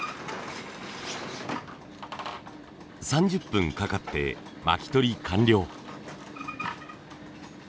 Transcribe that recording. ３０分かかって巻き取り完了。